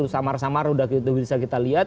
samar samar sudah bisa kita lihat